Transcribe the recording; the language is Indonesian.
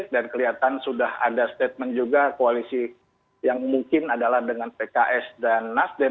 dan kelihatan sudah ada statement juga koalisi yang mungkin adalah dengan pks dan nasdem